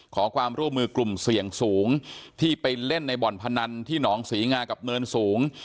ขอความร่วมมือกลุ่มเสี่ยงสูงที่ไปเล่นในบ่อนพนันที่หนองศรีงากับเนินสูง